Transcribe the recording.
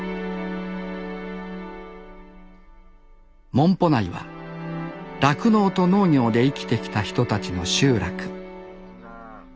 紋穂内は酪農と農業で生きてきた人たちの集落